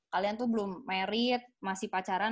kalian tuh belum merit masih pacaran